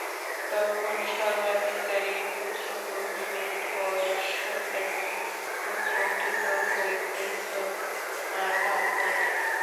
তখন সর্বাধিকারীর পুত্র কহিলেন, বয়স্য কেন উৎকণ্ঠিত হইতেছ আর ভাবনা নাই।